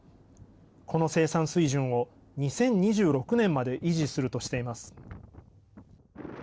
この生産水準を２０２６年まで維持するとしています。